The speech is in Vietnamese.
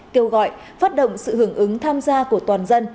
kêu gọi phát động sự hưởng ứng tham gia của toàn dân